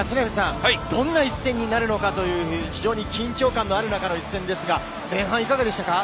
どんな一戦になるのかという、非常に緊張感ある中での一戦ですが、前半はいかがでしたか？